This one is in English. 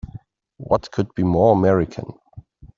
What could be more American!